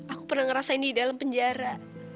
aku pernah ngerasain di dalam penjara